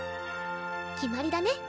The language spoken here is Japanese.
決まりだね。